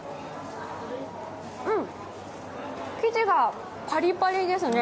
生地がパリパリですね。